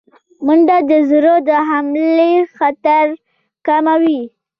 منډه د زړه د حملې خطر کموي